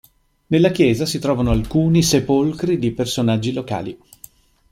Nella chiesa si trovano alcuni sepolcri di personaggi locali.